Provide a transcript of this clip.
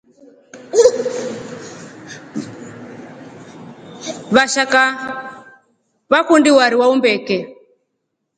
Vashaka tukundii warii wa umbeke.